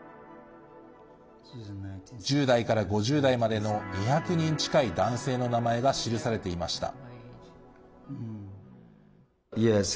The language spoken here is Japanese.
１０代から５０代までの２００人近い男性の名前が記されていました。